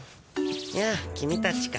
やあキミたちか。